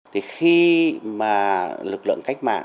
thì khi mà lực lượng cách mạng